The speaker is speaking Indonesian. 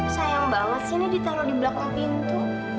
sayang banget sih ini ditaruh di belakang pintu